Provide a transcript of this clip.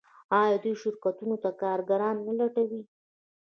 آیا دوی شرکتونو ته کارګران نه لټوي؟